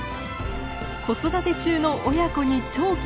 子育て中の親子に長期密着。